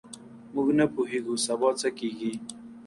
موږ نه پوهېږو سبا څه کیږي.